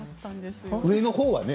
上のほうはね